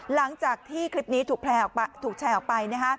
หลังจากที่คลิปนี้ถูกแชร์ออกไป